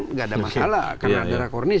tidak ada masalah